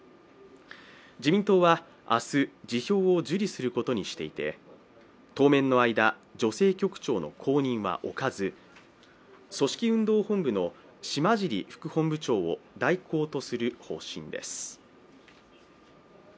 自民党は明日、辞表を受理することにしていて当面の間、女性局長の後任は置かず組織運動本部の島尻副本部長を代行とする方針です。